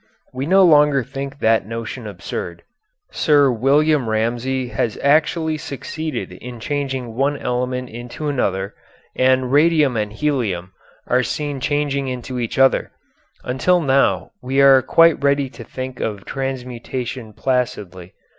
We no longer think that notion absurd. Sir William Ramsay has actually succeeded in changing one element into another and radium and helium are seen changing into each other, until now we are quite ready to think of transmutation placidly.